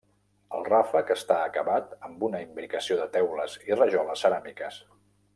El ràfec està acabat amb una imbricació de teules i rajoles ceràmiques.